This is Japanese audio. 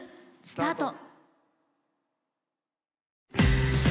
スタート。